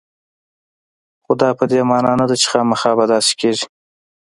خو دا په دې معنا نه ده چې خامخا به داسې کېږي